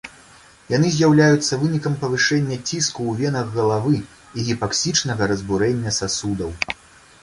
Яны з'яўляюцца вынікам павышэння ціску ў венах галавы і гіпаксічнага разбурэння сасудаў.